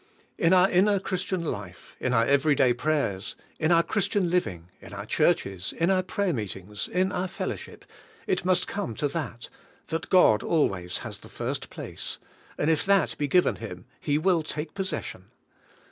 In our inner Christian life, in our every day prayers, in our Christian living, in our churches, in our prayer meetings, in our fellowship, it must come to that — that God always has the first place; and if that be given Him, He will take possession.